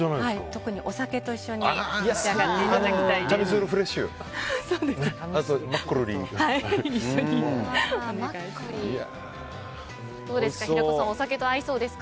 特にお酒と一緒に召し上がっていただきたいです。